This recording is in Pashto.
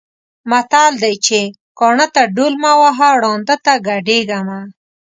متل دی چې: کاڼۀ ته ډول مه وهه، ړانده ته ګډېږه مه.